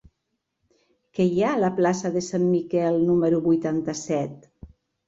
Què hi ha a la plaça de Sant Miquel número vuitanta-set?